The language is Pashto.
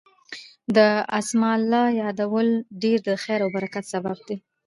د اسماء الله يادول ډير د خير او برکت سبب دی